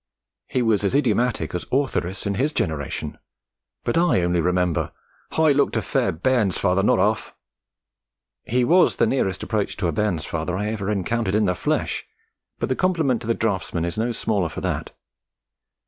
He was as idiomatic as Ortheris in his generation, but I only remember: 'I looked a fair Bairnsfather, not 'alf!' He was the nearest approach to a 'Bairnsfather' I ever encountered in the flesh, but the compliment to the draughtsman is no smaller for that.